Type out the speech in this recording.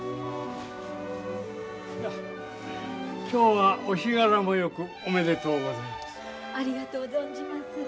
今日はお日柄もよくおめでとうございます。